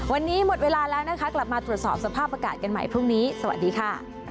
วันนี้หมดเวลาแล้วนะคะกลับมาตรวจสอบสภาพอากาศกันใหม่พรุ่งนี้สวัสดีค่ะ